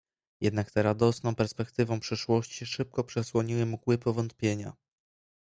"Jednak tę radosną perspektywą przyszłości szybko przesłoniły mgły powątpiewania."